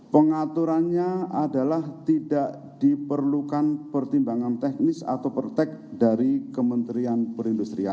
pengaturannya adalah tidak diperlukan pertimbangan teknis atau pertek dari kementerian perindustrian